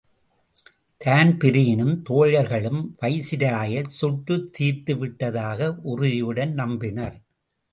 தான்பிரீனும் தோழர்களும் வைசிராயைச் சுட்டுத்தீர்த்து விட்டதாக உறுதியுடன் நம்பினர்.